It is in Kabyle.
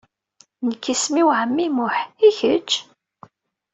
Nekk isem-iw ɛemmi Muḥ, i kečč?